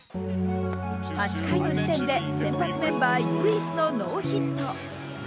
８回の時点で、先発メンバ唯一のノーヒット。